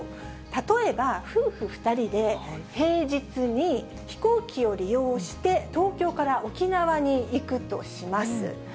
例えば夫婦２人で平日に飛行機を利用して東京から沖縄に行くとします。